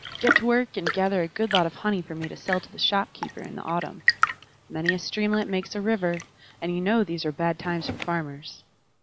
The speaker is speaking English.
Get to work, and gather a good lot of honey for me to sell to the shopkeeper in the autumn. 'Many a streamlet makes a river,' and you know these are bad times for farmers."